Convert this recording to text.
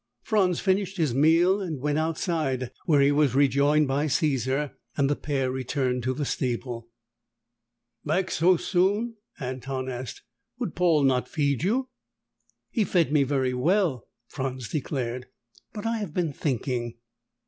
Franz finished his meal and went outside, where he was rejoined by Caesar, and the pair returned to the stable. "Back so soon?" Anton asked. "Would Paul not feed you?" "He fed me very well," Franz declared, "but I have been thinking."